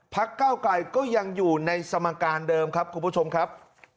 เก้าไกรก็ยังอยู่ในสมการเดิมครับคุณผู้ชมครับ